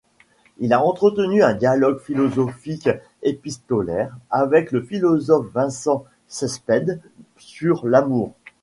Il a entretenu un dialogue philosophique épistolaire avec le philosophe Vincent Cespedes sur l'amour.